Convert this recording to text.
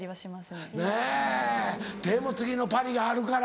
ねでも次のパリがあるから。